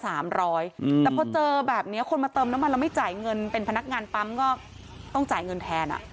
แต่พอเจอแบบนี้คนมาเติมน้ำมันแล้วไม่จ่ายเงินเป็นพนักงานปั๊มก็ต้องจ่ายเงินแทนอ่ะ